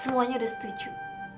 semuanya udah setuju